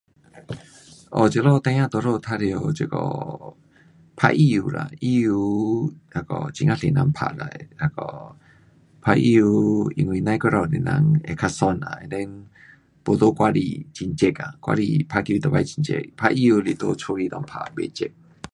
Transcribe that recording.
哦，这里孩儿多数玩耍这个打羽球啦，羽球那个很呀多人打啦。那个，打羽球因为甭过头多人，会较爽啦。and then 没在外里很热啊。外里打球每次很热，打羽球每次是在家里内打。不热。